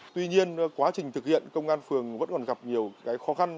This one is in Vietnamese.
tuy nhiên quá trình thực hiện công an phường vẫn còn gặp nhiều khó khăn